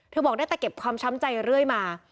บอกได้แต่เก็บความช้ำใจเรื่อยมา